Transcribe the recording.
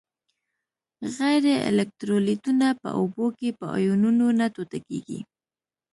غیر الکترولیتونه په اوبو کې په آیونونو نه ټوټه کیږي.